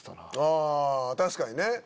あ確かにね。